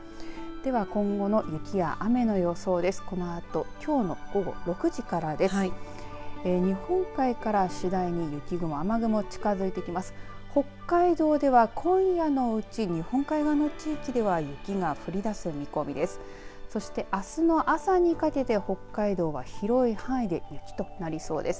では、今後の雪や雨の予想です。